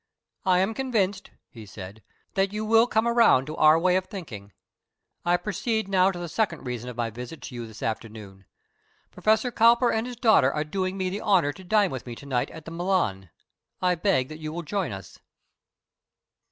"I am convinced," he said, "that you will come around to our way of thinking. I proceed now to the second reason of my visit to you this afternoon. Professor Cowper and his daughter are doing me the honor to dine with me to night at the Milan. I beg that you will join us."